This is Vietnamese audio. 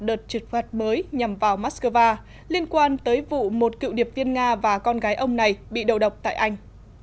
đợt trừng phạt mới nhằm vào moscow liên quan tới vụ một cựu điệp viên nga và con gái ông này bị đầu độc tại anh